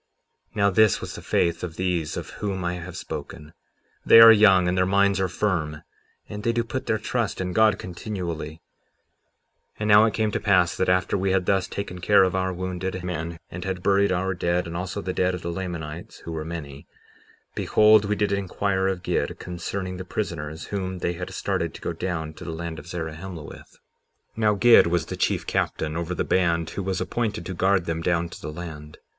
57:27 Now this was the faith of these of whom I have spoken; they are young, and their minds are firm, and they do put their trust in God continually. 57:28 And now it came to pass that after we had thus taken care of our wounded men, and had buried our dead and also the dead of the Lamanites, who were many, behold, we did inquire of Gid concerning the prisoners whom they had started to go down to the land of Zarahemla with. 57:29 Now Gid was the chief captain over the band who was appointed to guard them down to the land.